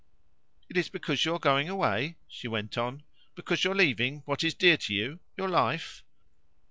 "It is because you are going away?" she went on; "because you are leaving what is dear to you your life?